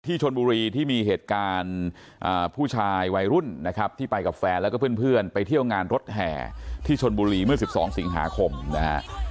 ชนบุรีที่มีเหตุการณ์ผู้ชายวัยรุ่นนะครับที่ไปกับแฟนแล้วก็เพื่อนไปเที่ยวงานรถแห่ที่ชนบุรีเมื่อ๑๒สิงหาคมนะฮะ